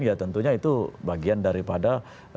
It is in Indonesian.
ya tentunya itu bagian daripada